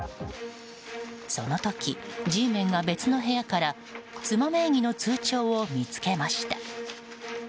その時、Ｇメンが別の部屋から妻名義の通帳を見つけました。